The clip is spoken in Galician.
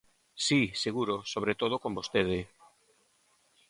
Si, seguro, sobre todo con vostede.